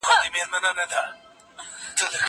هغه څوک چې منډه وهي قوي کېږي؟!